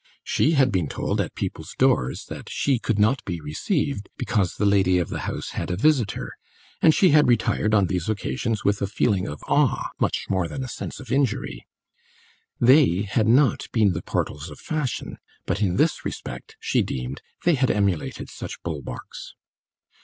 She had been told at people's doors that she could not be received because the lady of the house had a visitor, and she had retired on these occasions with a feeling of awe much more than a sense of injury. They had not been the portals of fashion, but in this respect, she deemed, they had emulated such bulwarks.